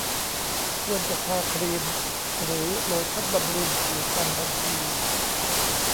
ควรจะทาครีมหรือโลชั่นบำรุงผิวพรรณทันที